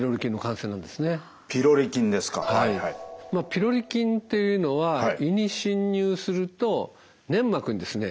ピロリ菌っていうのは胃に侵入すると粘膜にですね